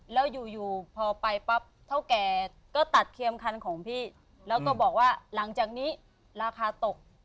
แล้วอยู่อยู่พอไปปั๊บเท่าแก่ก็ตัดเคียมคันของพี่แล้วก็บอกว่าหลังจากนี้ราคาตก